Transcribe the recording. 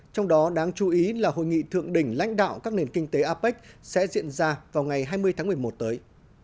trong đó đáng chú ý là hội nghị thượng đỉnh lãnh đạo các nền kinh tế apec sẽ diễn ra vào ngày hai mươi tháng một mươi một tới